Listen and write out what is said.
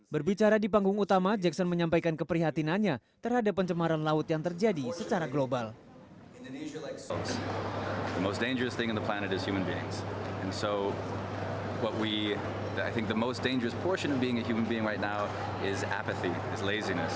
berbicara di panggung utama jackson menyampaikan keprihatinannya terhadap pencemaran laut yang terjadi secara global